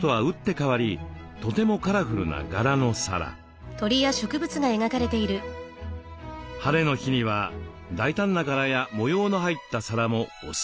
ハレの日には大胆な柄や模様の入った皿もおすすめだといいます。